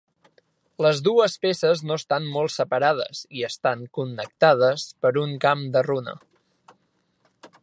Les dues peces no estan molt separades i estan connectades per un camp de runa.